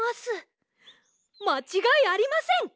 まちがいありません！